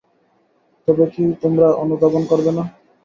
তবে কি তোমরা অনুধাবন করবে না?